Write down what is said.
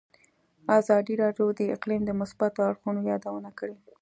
ازادي راډیو د اقلیم د مثبتو اړخونو یادونه کړې.